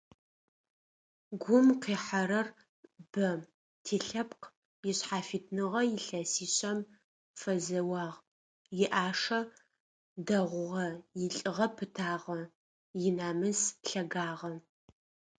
Гум къихьэрэр бэ: тилъэпкъ ишъхьафитныгъэ илъэсишъэм фэзэуагъ, иӏашэ дэгъугъэ, илӏыгъэ пытагъэ, инамыс лъэгагъэ…